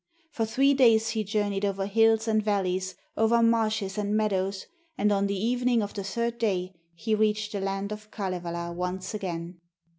For three days he journeyed over hills and valleys, over marshes and meadows, and on the evening of the third day he reached the land of Kalevala once again.